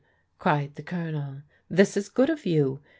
cried the Colonel. "This is good of you.